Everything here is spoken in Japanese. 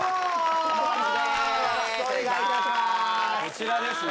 そちらですね